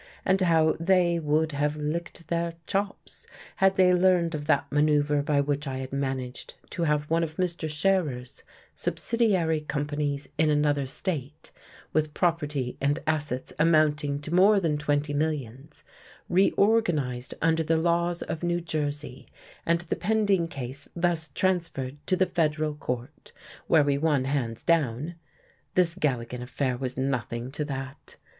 And how they would have licked their chops had they learned of that manoeuvre by which I had managed to have one of Mr. Scherer's subsidiary companies in another state, with property and assets amounting to more than twenty millions, reorganized under the laws of New Jersey, and the pending case thus transferred to the Federal court, where we won hands down! This Galligan affair was nothing to that.